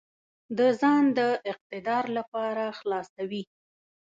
د ځان د اقتدار لپاره خلاصوي.